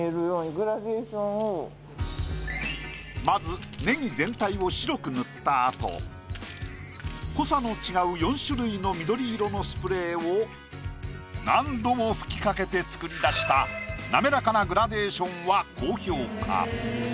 まずネギ全体を白く塗った後濃さの違う４種類の緑色のスプレーを何度も吹き掛けて作り出した滑らかなグラデーションは高評価。